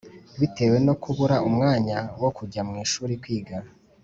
bitewe no kubura umwanya. wokujya mu ishuri kwiga